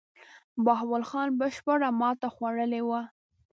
بهاول خان بشپړه ماته خوړلې وه.